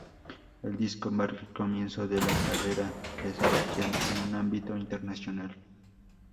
El disco marca el comienzo de la carrera de Sebastian en un ámbito internacional.